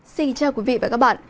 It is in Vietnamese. xin chào quý vị và các bạn